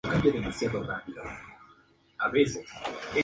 Siempre ha sido un pueblo dedicado a la agricultura y ganadería.